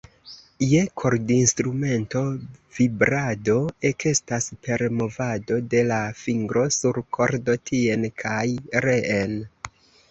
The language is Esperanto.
Je kordinstrumento vibrado ekestas per movado de la fingro sur kordo tien kaj reen.